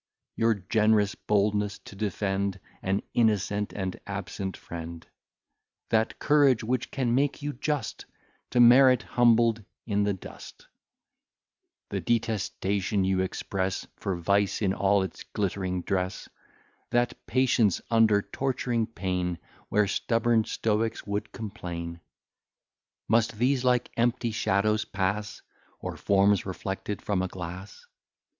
Your generous boldness to defend An innocent and absent friend; That courage which can make you just To merit humbled in the dust; The detestation you express For vice in all its glittering dress; That patience under torturing pain, Where stubborn stoics would complain: Must these like empty shadows pass, Or forms reflected from a glass?